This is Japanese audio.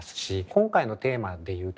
今回のテーマで言うとですね